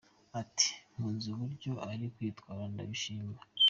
Ati “Nkunze uburyo ari kwitwara, ndabishima.